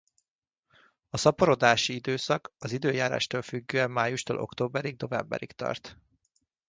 A szaporodási időszak az időjárástól függően májustól októberig-novemberig tart.